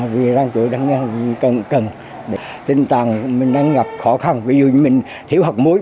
vì đang chủ đang cần tinh tàng mình đang gặp khó khăn ví dụ như mình thiếu hạt muối